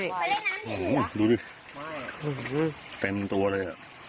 ไปเล่นน้ำดีกว่าโอ้โฮดูดิเต็มตัวเลย